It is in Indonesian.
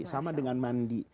sama dengan mandi